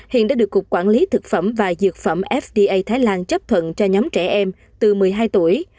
hiện đã được cục quản lý thực phẩm và dược phẩm fda thái lan chấp thuận cho nhóm trẻ em từ một mươi hai tuổi